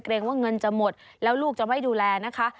ว่าเงินจะหมดแล้วลูกจะไม่ดูแลนะคะ